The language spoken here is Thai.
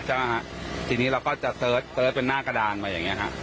ใช่ไหมคะทีนี้เราก็จะเป็นหน้ากระดานแบบอย่างเงี้ยค่ะ